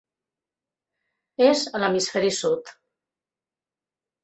És a l'hemisferi sud.